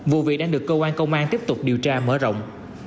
vụ việc đang được cơ quan công an tiếp tục điều tra mở rộng